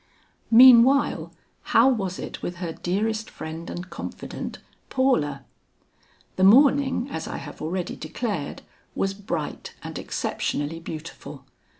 Meanwhile how was it with her dearest friend and confident, Paula? The morning, as I have already declared, was bright and exceptionally beautiful.